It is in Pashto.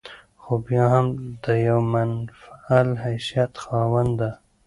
خو بيا هم د يوه منفعل حيثيت خاونده